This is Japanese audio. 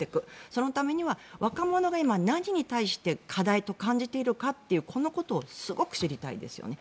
そのためには若者が今、何に対して課題と感じているかというこのことをすごく知りたいですね。